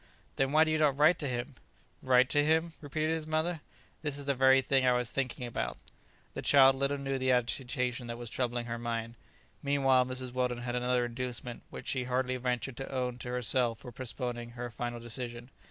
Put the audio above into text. "Then why do you not write to him?" "Write to him?" repeated his mother, "that is the very thing I was thinking about." The child little knew the agitation that was troubling her mind. Meanwhile Mrs. Weldon had another inducement which she hardly ventured to own to herself for postponing her final decision.